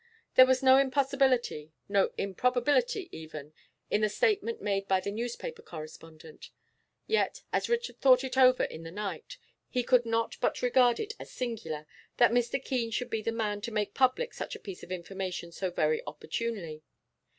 There was no impossibility, no improbability even, in the statement made by the newspaper correspondent; yet as Richard thought it over in the night, he could not but regard it as singular that Mr. Keene should be the man to make public such a piece of information so very opportunely.